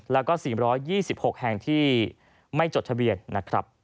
และ๔๒๖แห่งที่ไม่จดทะเบียน